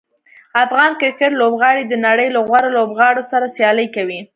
افغان کرکټ لوبغاړي د نړۍ له غوره لوبغاړو سره سیالي کوي.